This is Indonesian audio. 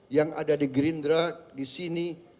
yang ada di gerindra di sini